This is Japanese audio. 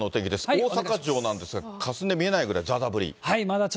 大阪城なんですが、かすんで見えないぐらいざーざー降り。